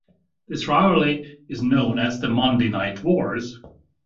This rivalry is known as the Monday Night Wars.